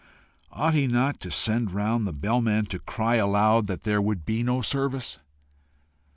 Ought he not to send round the bell man to cry aloud that there would be no service?